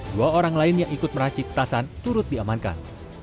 dua orang lain yang ikut meracik petasan turut diamankan